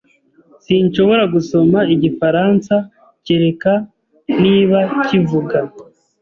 Sinshobora gusoma Igifaransa, kereka niba kivuga.